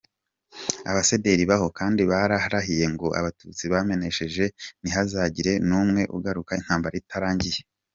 Abasederi baho kandi bararahiye ngo Abatutsi bamenesheje ntihazagire n’umwe ugaruka intambara itarangiye.